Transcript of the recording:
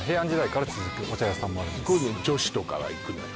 こういうの女子とかは行くのよ